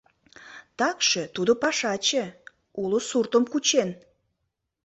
Такше тудо пашаче, уло суртым кучен.